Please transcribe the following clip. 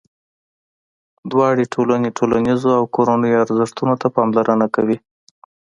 دواړه ټولنې ټولنیزو او کورنیو ارزښتونو ته پاملرنه کوي.